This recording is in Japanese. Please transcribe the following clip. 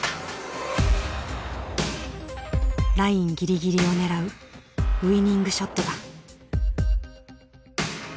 ラインぎりぎりを狙うウイニングショットだ。